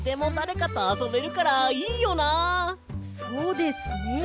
そうですね。